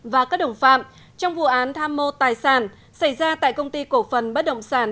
và các đồng phạm trong vụ án tham mô tài sản xảy ra tại công ty cổ phần bất động sản